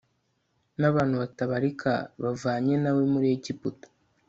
n'abantu batabarika bavanye na we muri egiputa